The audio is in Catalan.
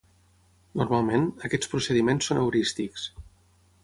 Normalment, aquests procediments són heurístics.